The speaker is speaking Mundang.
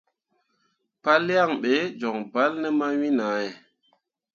Palyaŋ ɓe joŋ bal ne mawin ahe.